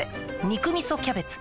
「肉みそキャベツ」